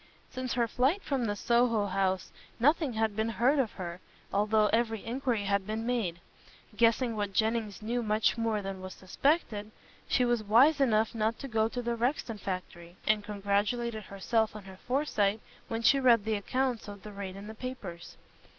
Since her flight from the Soho house nothing had been heard of her, although every inquiry had been made. Guessing that Jennings knew much more than was suspected, she was wise enough not to go to the Rexton factory, and congratulated herself on her foresight when she read the accounts of the raid in the papers.